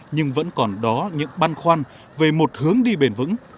nhưng vẫn còn đó những băn khoăn về một hướng đi bền vững